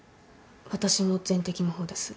私も全摘の方です。